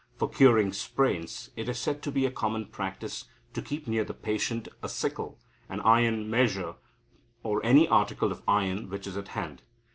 For curing sprains, it is said to be a common practice to keep near the patient a sickle, an iron measure, or any article of iron which is at hand.